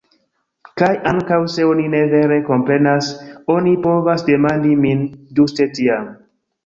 Kaj ankaŭ se oni ne vere komprenas, oni povas demandi min ĝuste tiam.